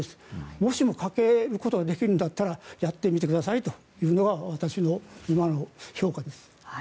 もしもかけることができるんだったらやってみてくださいというのが私の今の評価です。